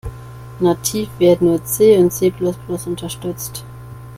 Nativ werden nur C und C-plus-plus unterstützt.